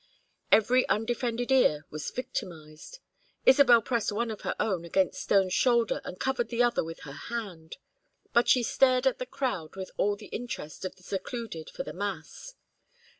Every undefended ear was victimized. Isabel pressed one of her own against Stone's shoulder and covered the other with her hand. But she stared at the crowd with all the interest of the secluded for the mass.